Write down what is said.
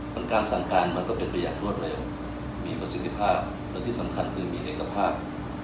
แต่การสั่งการมันก็เป็นไปอย่างรวดเร็วมีประสิทธิภาพและที่สำคัญคือมีเอกภาพ